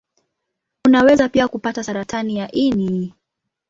Unaweza pia kupata saratani ya ini.